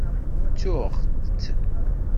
Ttuɣ-tt.